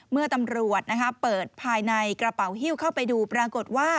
เมื่อตำรวจเปิดภายในกระเป๋าฮิ้วเข้าไปดูปรากฏว่า